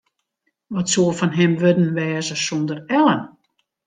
Wat soe fan him wurden wêze sonder Ellen?